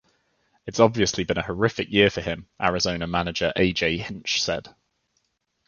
"It's obviously been a horrific year for him," Arizona manager A. J. Hinch said.